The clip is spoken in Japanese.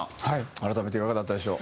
改めていかがだったでしょう？